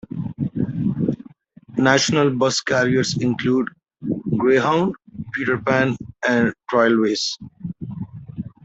National bus carries include Greyhound, Peter Pan and Trailways.